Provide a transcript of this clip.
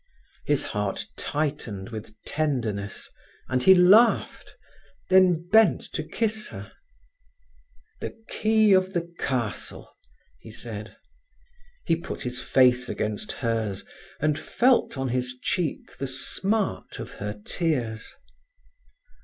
His heart tightened with tenderness, and he laughed, then bent to kiss her. "The key of the castle," he said. He put his face against hers, and felt on his cheek the smart of her tears.